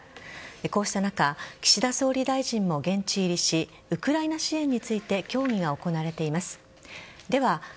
こうした中岸田総理大臣は現地入りしウクライナ支援について協議が行われています。